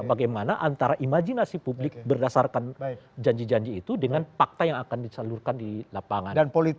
bagaimana antara imajinasi publik berdasarkan janji janji itu dengan fakta yang akan disalurkan di lapangan